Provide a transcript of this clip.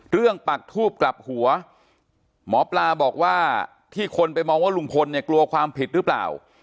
ปักทูบกลับหัวหมอปลาบอกว่าที่คนไปมองว่าลุงพลเนี่ยกลัวความผิดหรือเปล่า